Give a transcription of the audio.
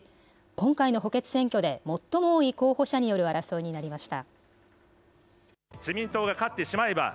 今回の補欠選挙で最も多い候補者による争いになりました。